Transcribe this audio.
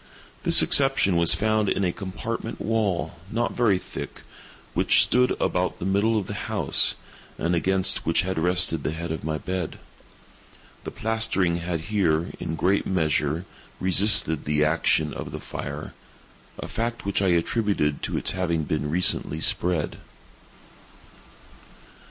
This exception was found in a compartment wall, not very thick, which stood about the middle of the house, and against which had rested the head of my bed. The plastering had here, in great measure, resisted the action of the fire—a fact which I attributed to its having been recently spread.